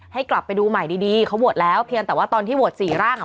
ให้กลับไปดูใหม่ดีเขาโหวตแล้วเพียงแต่ว่าตอนที่โหวตสี่ร่างอ่ะ